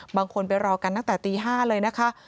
บางคนไปรอกันนักแต่ตี๕เลยนะคะ